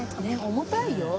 重たいよ。